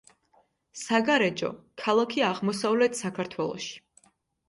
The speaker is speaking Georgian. საგარეჯო, ქალაქი აღმოსავლეთ საქართველოში.